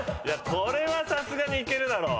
これさすがにいけるだろ。